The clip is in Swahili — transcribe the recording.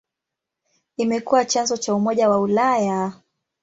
Imekuwa chanzo cha Umoja wa Ulaya.